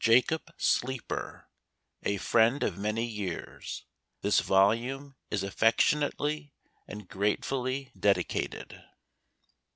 JACOB SLEEPER, / A FRIEND OF MANY Y £ his Uoltnrtc is AFFECTIONATELY AND GRATEFULLY DEDICATED.